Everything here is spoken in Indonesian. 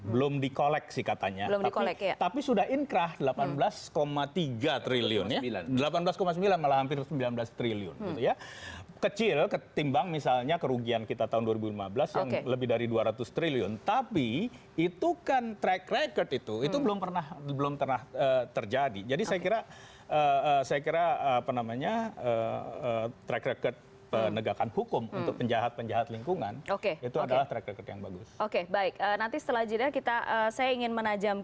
belum dikolek sih katanya belum dikolek ya